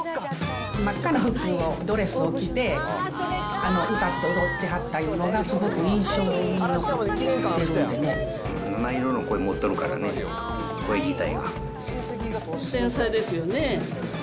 真っ赤な服を、ドレスを着て、歌って踊ってはったっていうのが、七色の声を持っとるからね、天才ですよね。